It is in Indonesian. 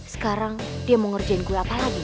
sekarang dia mau ngerjain gue apa lagi